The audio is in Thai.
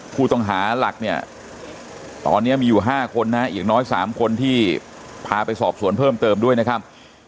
ผู้ต้องหาหลักเนี่ยตอนนี้มีอยู่๕คนนะฮะอีกน้อย๓คนที่พาไปสอบสวนเพิ่มเติมด้วยนะครับ